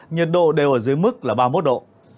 nhiệt độ đều ở dưới mức là ba mươi một độ